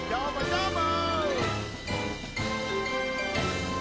どーも！